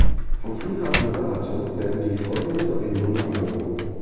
Vom Flughafen Saratow werden die folgenden Verbindungen angeboten.